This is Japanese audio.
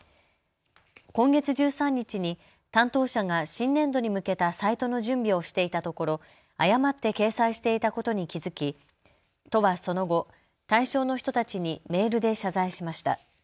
今月１３日に担当者が新年度に向けたサイトの準備をしていたところ誤って掲載していたことに気付き都はその後、対象の人たちにメールで謝罪しました。